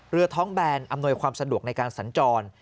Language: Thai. เรือท้องแบนอำนวยความสะดวกในการสัญจร